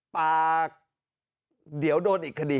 ปากเดี๋ยวโดนอีกคดี